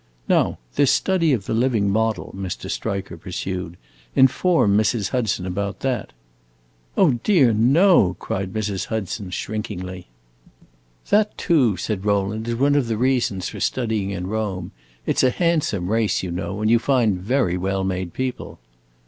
"Now this study of the living model," Mr. Striker pursued. "Inform Mrs. Hudson about that." "Oh dear, no!" cried Mrs. Hudson, shrinkingly. "That too," said Rowland, "is one of the reasons for studying in Rome. It 's a handsome race, you know, and you find very well made people."